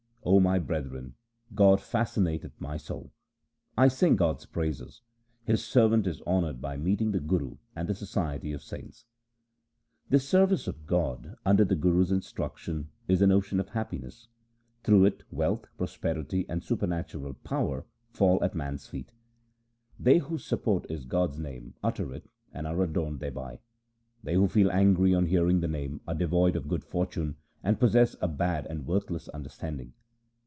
0 my brethren, God fascinateth my soul. 1 sing God's praises ; His servant is honoured by meeting the Guru and the society of saints. The service of God under the Guru's instruction is an ocean of happiness ; through it wealth, prosperity, and supernatural power fall at man's feet. They whose support is God's name utter it and are adorned thereby. They who feel angry on hearing the Name are devoid of good fortune and possess a bad and worthless understanding.